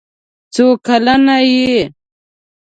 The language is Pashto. څو کلن یې؟